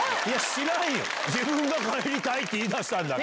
自分が「帰りたい」って言い出したんだから。